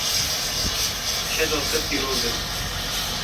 Keda te pîroz e.